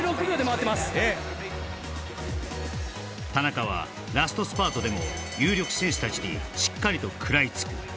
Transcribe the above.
ええ田中はラストスパートでも有力選手たちにしっかりと食らいつく